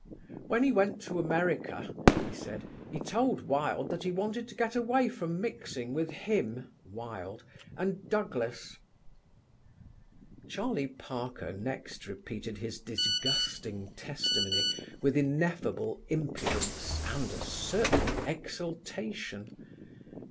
"When he went to America," he said, "he told Wilde that he wanted to get away from mixing with him (Wilde) and Douglas." Charlie Parker next repeated his disgusting testimony with ineffable impudence and a certain exultation.